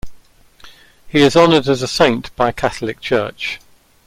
He is honored as a saint by Catholic Church.